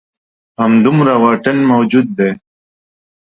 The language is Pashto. همدومره واټن موجود دی.